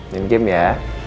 main game ya